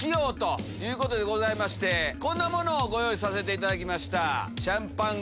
こんなものをご用意させていただきました。